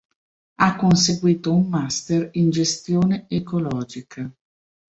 Ha conseguito un master in gestione ecologica.